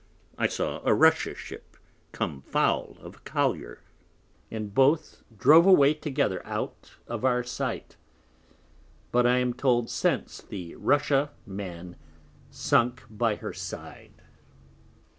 I saw a Russia Ship come foul of a Collier, and both drove away together out of our Sight, but I am told since the Russia Man sunk by her Side.